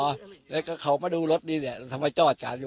อย่างเงี้ยแล้วก็เขามาดูรถนี้เนี้ยสามารถจอดการอยู่